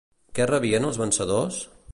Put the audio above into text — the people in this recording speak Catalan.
Què rebien els vencedors?